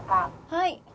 はい。